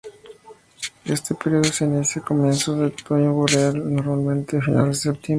Este período se inicia a comienzos del otoño boreal, normalmente a finales de septiembre.